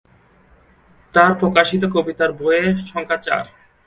তাঁর প্রকাশিত কবিতার বইয়ের সংখ্যা চার।